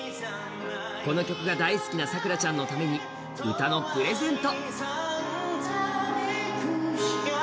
この曲が大好きなさくらちゃんのために歌のプレゼント。